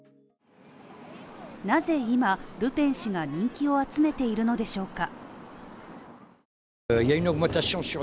なぜ今、ルペン氏が人気を集めているのでしょうか。